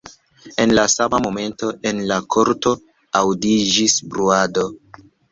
En la sama momento en la korto aŭdiĝis bruado.